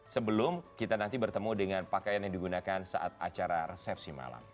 sebelum kita nanti bertemu dengan pakaian yang digunakan saat acara resepsi malam